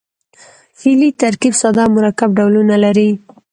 فعلي ترکیب ساده او مرکب ډولونه لري.